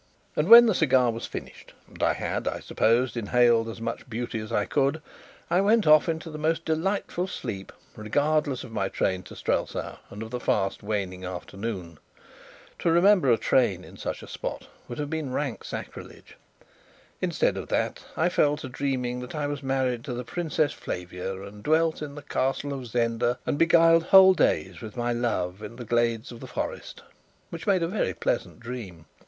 And when the cigar was finished and I had (I suppose) inhaled as much beauty as I could, I went off into the most delightful sleep, regardless of my train to Strelsau and of the fast waning afternoon. To remember a train in such a spot would have been rank sacrilege. Instead of that, I fell to dreaming that I was married to the Princess Flavia and dwelt in the Castle of Zenda, and beguiled whole days with my love in the glades of the forest which made a very pleasant dream.